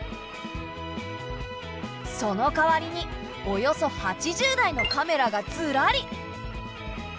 そのかわりにおよそ８０台のカメラがずらり。